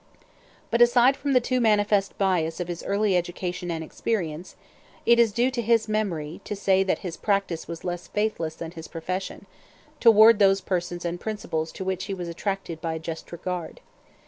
But aside from the too manifest bias of his early education and experience, it is due to his memory to say that his practice was less faithless than his profession, toward those persons and principles to which he was attracted by a just regard.